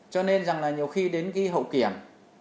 cho nên là nhiều khi đến cái hậu kiểm